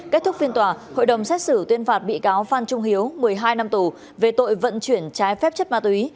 kết thúc phiên tòa hội đồng xét xử tuyên phạt bị cáo phan trung hiếu một mươi hai năm tù về tội vận chuyển trái phép chất ma túy